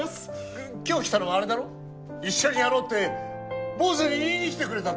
今日来たのはあれだろ一緒にやろうって坊主に言いに来てくれたんだろ？